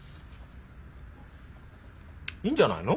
いいんじゃないの？